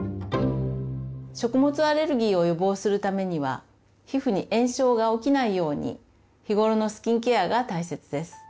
食物アレルギーを予防するためには皮膚に炎症が起きないように日頃のスキンケアが大切です。